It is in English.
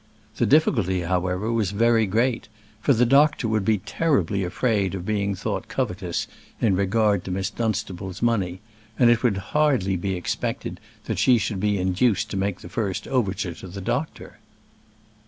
The difficulty, however, was very great, for the doctor would be terribly afraid of being thought covetous in regard to Miss Dunstable's money; and it would hardly be expected that she should be induced to make the first overture to the doctor.